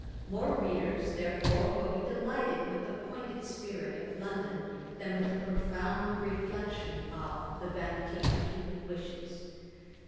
More readers, therefore, will be delighted with the pointed spirit of London, than with the profound reflection of The Vanity of Human Wishes.